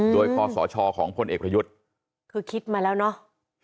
โดยคอสชของพลเอกประยุทธ์คือคิดมาแล้วเนาะ